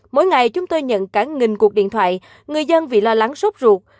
mỗi ngày chúng tôi nhận cả nghìn cuộc điện thoại người dân vì lo lắng sốt ruột